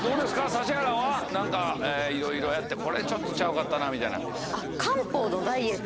指原は何かいろいろやってこれちょっとちゃうかったなみたいな。